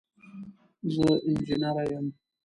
زه انجنیره یم.